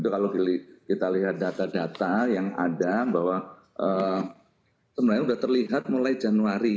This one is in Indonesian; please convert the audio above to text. kalau kita lihat data data yang ada bahwa sebenarnya sudah terlihat mulai januari